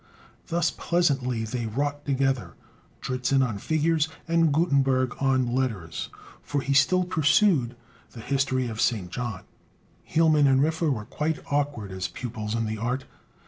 Thus pleasantly they wrought together, Dritzhn on figures, and Gutenberg on letters, for he still pursued the "History of St. John." Hielman and Riffe were quite awkward as pupils in the art.